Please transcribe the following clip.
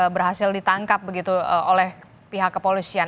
berhasil ditangkap begitu oleh pihak kepolisian